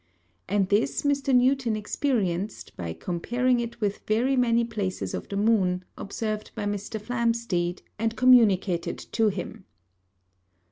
And this Mr. Newton experienced, by comparing it with very many Places of the Moon, observ'd by Mr. Flamsteed, and communicated to him.